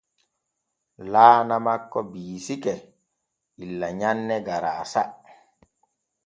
Laana makko biisake illa nyanne garaasa.